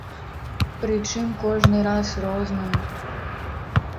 Прычым кожны раз розную.